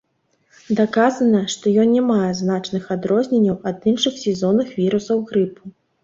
Даказана, што ён не мае значных адрозненняў ад іншых сезонных вірусаў грыпу.